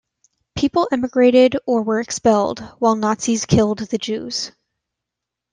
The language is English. People emigrated or were expelled, while the Nazis killed the Jews.